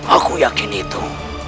aku yakin itu